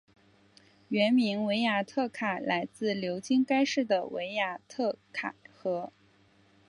原名维亚特卡来自流经该市的维亚特卡河。